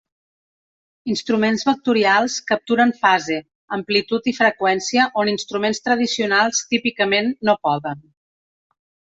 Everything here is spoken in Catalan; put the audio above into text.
Instruments vectorials capturen fase, amplitud i freqüència on instruments tradicionals típicament no poden.